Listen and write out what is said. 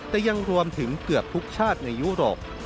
แต่ยังรวมถึงเกือบทุกชาติในยุโรป